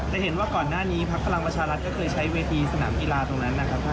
จะเห็นว่าก่อนหน้านี้พักพลังประชารัฐก็เคยใช้เวทีสนามกีฬาตรงนั้นนะครับ